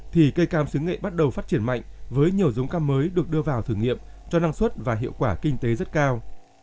thì cây cam xứng nghệ bắt đầu phát triển mạnh với nhiều giống cam mới được đưa vào thử nghiệm cho năng suất và hiệu quả kinh tế rất cao